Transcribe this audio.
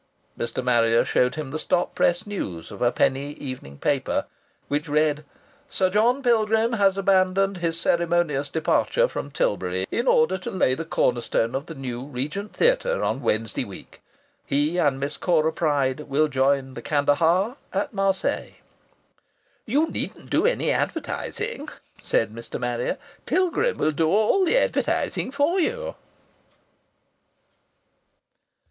Mr. Marrier showed him the stop press news of a penny evening paper, which read: "Sir John Pilgrim has abandoned his ceremonious departure from Tilbury, in order to lay the corner stone of the new Regent Theatre on Wednesday week. He and Miss Cora Pryde will join the Kandahar at Marseilles." "You needn't do any advertaysing," said Mr. Marrier. "Pilgrim will do all the advertaysing for you."